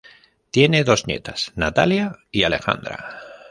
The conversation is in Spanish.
Tiene dos nietas, Natalia y Alejandra.